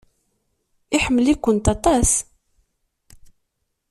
Iḥemmel-ikent aṭas.